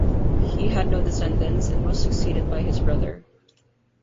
He had no descendants and was succeeded by his brother.